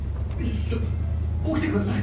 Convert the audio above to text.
ちょっと起きて下さい。